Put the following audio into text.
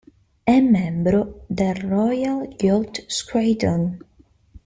È membro del Royal Yacht Squadron.